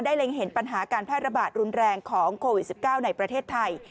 เล็งเห็นปัญหาการแพร่ระบาดรุนแรงของโควิด๑๙ในประเทศไทย